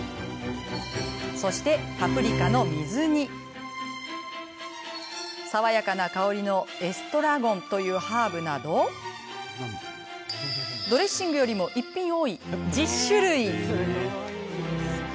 そして、パプリカの水煮爽やかな香りのエストラゴンというハーブなどドレッシングよりも一品多い１０種類。